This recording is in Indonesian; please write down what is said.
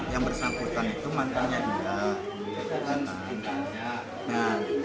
yang bersangkutan itu mantannya dia